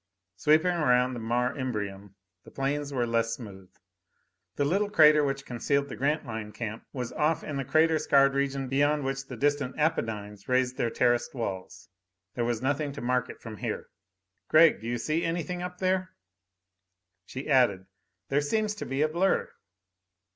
Sweeping around from the Mare Imbrium, the plains were less smooth. The little crater which concealed the Grantline camp was off in the crater scarred region beyond which the distant Apennines raised their terraced walls. There was nothing to mark it from here. "Gregg, do you see anything up there?" She added, "There seems to be a blur."